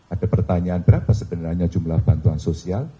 ada pertanyaan berapa sebenarnya jumlah bantuan sosial